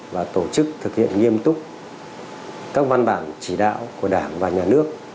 và tổ chức thực hiện nghiêm túc các văn bản chỉ đạo của đảng và nhà nước